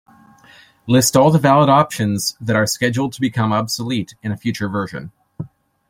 List all the valid options that are scheduled to become obsolete in a future version.